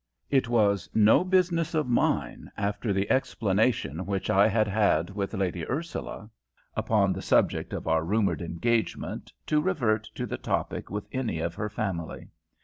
It was no business of mine, after the explanation which I had had with Lady Ursula upon the subject of our rumoured engagement, to revert to the topic with any of her family.